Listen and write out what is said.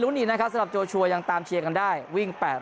หนีนะครับสำหรับโจชัวร์ยังตามเชียร์กันได้วิ่ง๘๐๐